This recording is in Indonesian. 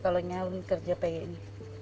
kalau nyamuk kerja peyek ini